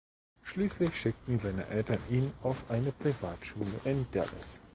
Schließlich schickten seine Eltern ihn auf eine Privatschule in Dallas.